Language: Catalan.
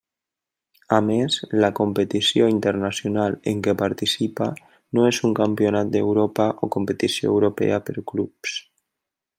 A més, la competició internacional en què participa no és un campionat d'Europa o competició europea per clubs.